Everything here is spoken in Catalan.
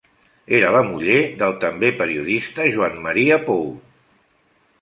Era la muller del també periodista Joan Maria Pou.